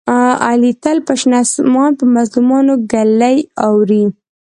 علي تل په شنه اسمان په مظلومانو ږلۍ اوروي.